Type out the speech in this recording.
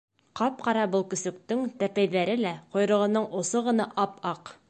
Ҡап-ҡара был көсөктөң тәпәйҙәре лә, ҡойроғоноң осо ғына ап-аҡ.